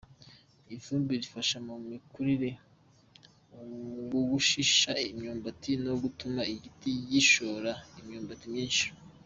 Iyi fumbire ifasha mu mikurire, gushishisha imyumbati no gutuma igiti gishora imyumbati myinshi.